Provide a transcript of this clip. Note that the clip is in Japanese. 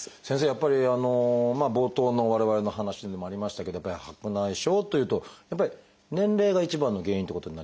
やっぱり冒頭の我々の話にもありましたけど白内障というとやっぱり年齢が一番の原因ということになりますか？